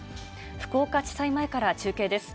福岡地裁前から中継です。